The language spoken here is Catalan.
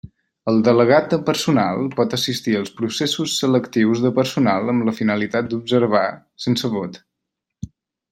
El delegat de personal pot assistir als processos selectius de personal amb la finalitat d'observar, sense vot.